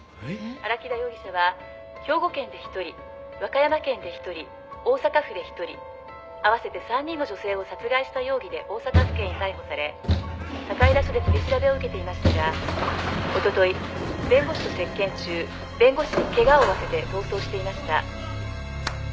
「荒木田容疑者は兵庫県で１人和歌山県で１人大阪府で１人合わせて３人の女性を殺害した容疑で大阪府警に逮捕され高井田署で取り調べを受けていましたがおととい弁護士と接見中弁護士に怪我を負わせて逃走していました」